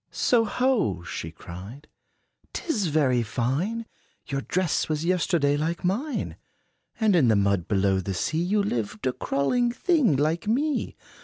"So ho!" she cried, "'t is very fine! Your dress was yesterday like mine; And in the mud below the sea, You lived, a crawling thing, like me.